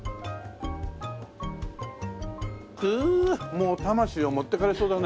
もう魂を持っていかれそうだね。